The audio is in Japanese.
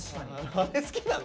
あれ好きなの？